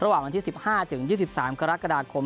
ระหว่างอันที่๑๕๒๓กรกฎาคม